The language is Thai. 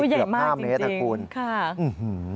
เกือบ๕เมตรนะคุณค่ะอุ๊ยใหญ่มากจริงค่ะอื้อฮือ